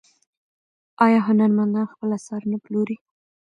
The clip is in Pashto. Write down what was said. آیا هنرمندان خپل اثار نه پلوري؟